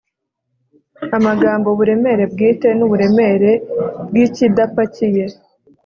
Amagambo "uburemere bwite n’uburemere bw'ikidapakiye"